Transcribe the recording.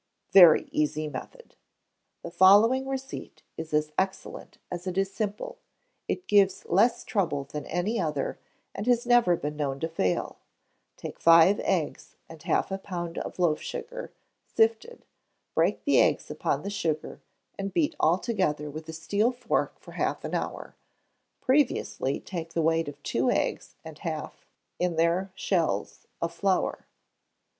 (Very Easy Method.) The following receipt is as excellent as it is simple, it gives less trouble than any other, and has never been known to fail: Take five eggs and half a pound of loaf sugar, sifted; break the eggs upon the sugar, and beat all together with a steel fork for half an hour. Previously take the weight of two eggs and a half, in their shells, of flour.